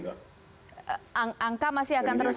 angka masih akan terus